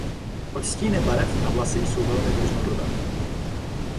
Odstíny barev na vlasy jsou velmi různorodé.